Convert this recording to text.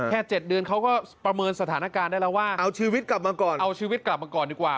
แค่๗เดือนเขาก็ประเมินสถานการณ์ได้แล้วว่าเอาชีวิตกลับมาก่อนดีกว่า